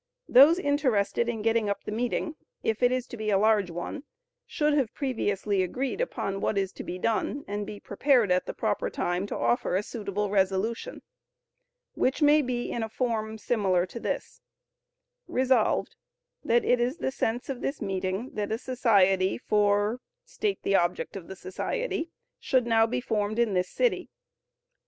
Those interested in getting up the meeting, if it is to be a large one, should have previously agreed upon what is to be done, and be prepared at the proper time to offer a suitable resolution, which may be in a form similar to this: "Resolved, That it is the sense of this meeting that a society for [state the object of the society] should now be formed in this city."